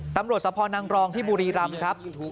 ตำรวจสะพอนังรองที่บุรีรำครับ